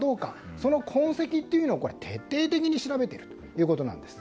その痕跡を徹底的に調べているということなんです。